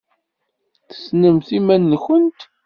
Tessnemt iman-nkent.